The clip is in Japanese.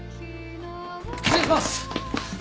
失礼します！